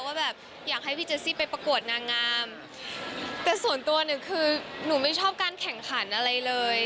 ว่าแบบอยากให้พี่เจซี่ไปประกวดนางงามแต่ส่วนตัวหนึ่งคือหนูไม่ชอบการแข่งขันอะไรเลย